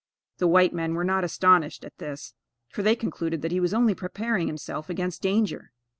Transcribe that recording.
The white men were not astonished at this, for they concluded that he was only preparing himself against danger.